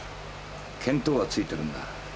見当はついてるんだ。